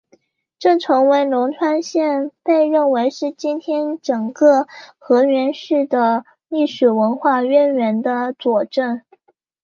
这成为龙川县被认为是今天整个河源市的历史文化源流的一个佐证。